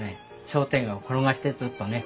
商店街を転がしてずっとね